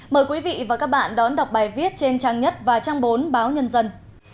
mời quý vị và các bạn đón đọc bài viết trên trang nhất và trang bốn báo nhân dân